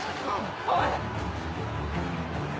おい！